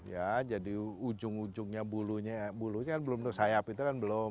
pembicara empat puluh satu jadi ujung ujungnya bulunya bulunya kan belum tuh sayap itu kan belum